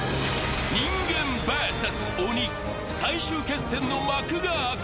人間ｖｓ鬼、最終決戦の幕が開く。